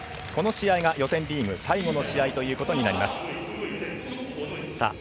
この試合が予選リーグ最後の試合ということになります。